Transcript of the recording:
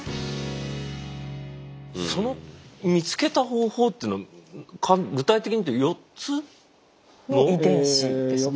その見つけた方法というのは具体的に言うと４つ？の遺伝子ですね。